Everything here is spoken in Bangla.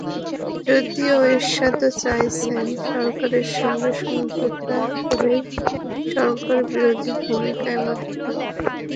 যদিও এরশাদও চাইছেন, সরকারের সঙ্গে সমঝোতা করেই সরকারবিরোধী ভূমিকায় মাঠে নামতে।